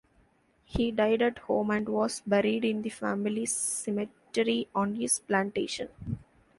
He died at home and was buried in the family cemetery on his plantation.